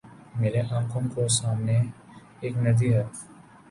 میرے آنکھوں کو سامنے ایک ندی ہے